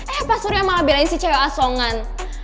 eh pak surya malah belain si cewek asongan